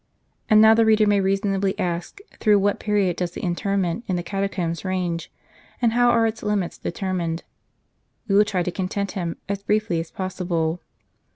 And now the reader may reasonably ask, through what period does the interment in the catacombs range, and how are its limits determined. We will try to content him, as briefly as possible.